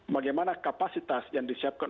bagaimana kapasitas yang disiapkan